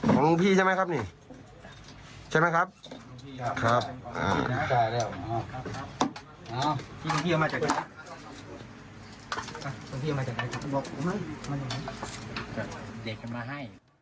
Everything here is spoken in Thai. ของลุงพี่ใช่ไหมครับนี่ใช่ไหมครับครับอ่าใช่แล้วอ๋อครับครับ